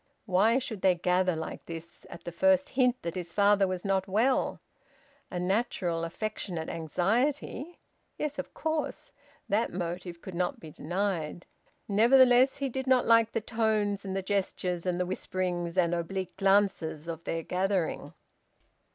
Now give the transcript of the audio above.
Why should they gather like this at the first hint that his father was not well? A natural affectionate anxiety... Yes, of course, that motive could not be denied. Nevertheless, he did not like the tones and the gestures and the whisperings and oblique glances of their gathering.